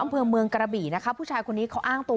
อำเภอเมืองกระบี่นะคะผู้ชายคนนี้เขาอ้างตัว